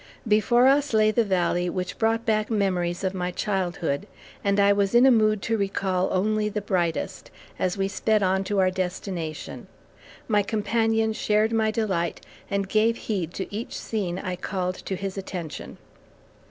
Before us lay the valley which brought back memories of my childhood, and I was in a mood to recall only the brightest, as we sped on to our destination. My companion shared my delight and gave heed to each scene I called to his attention.